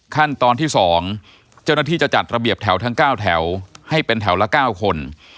ขั้นตอนที่๒เจ้าหน้าที่จะจัดระเบียบแถวทั้ง๙แถวให้เป็นแถวละ๙คน